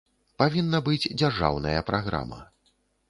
Павінна быць дзяржаўная праграма.